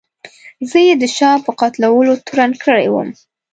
زه یې د شاه په قتلولو تورن کړی وم.